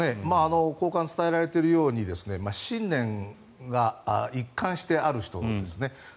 巷間伝えられているように信念が一貫してある人ですね。